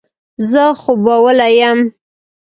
زه خوبولی یم.